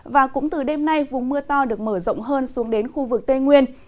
và cũng từ đêm nay vùng mưa to được mở rộng hơn xuống đến khu vực tây nguyên